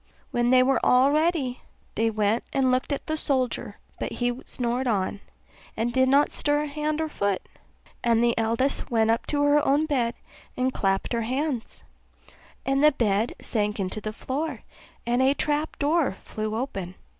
When they were all ready, they went and looked at the soldier; but he snored on, and did not stir hand or foot: so they thought they were quite safe; and the eldest went up to her own bed and clapped her hands, and the bed sank into the floor and a trap door flew open.